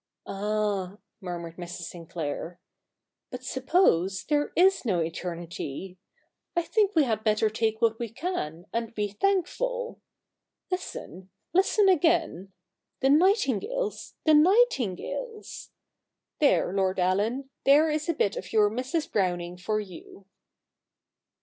''' Ah !' murmured Mrs. Sinclair, ' but suppose there is no eternity ! I think we had better take what we can, and be thankful. Listen — listen again !" The nightin gales, the nightingales !" There, Lord Allen, there is a bit of your Mrs. Browning for you.'